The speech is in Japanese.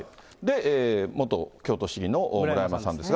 元京都市議の村山さんですが。